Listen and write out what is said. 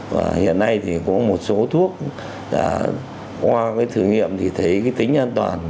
và hiện nay thì có một số thuốc đã qua cái thử nghiệm thì thấy cái tính an toàn